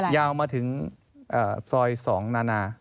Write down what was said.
ยาวมาถึงซอย๒นานา